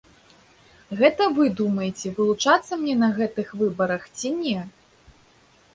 Гэта вы думайце, вылучацца мне на гэтых выбарах ці не.